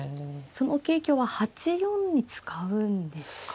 その桂香は８四に使うんですか。